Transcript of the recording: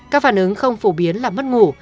các phản ứng không phổ biến là mất ngủ